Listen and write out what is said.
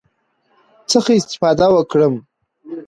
څخه استفاده وکړم،